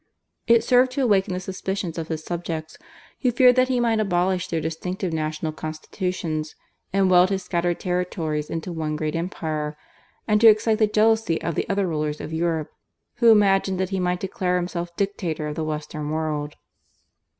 It served to awaken the suspicions of his subjects, who feared that he might abolish their distinctive national constitutions and weld his scattered territories into one great empire, and to excite the jealousy of the other rulers of Europe, who imagined that he might declare himself dictator of the western world.